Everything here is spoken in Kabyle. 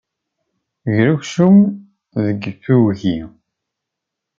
Ger aksum deg tuggi.